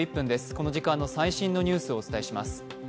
この時間の最新のニュースをお伝えします。